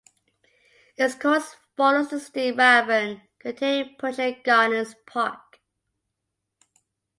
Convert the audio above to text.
Its course follows a steep ravine containing Puget Gardens Park.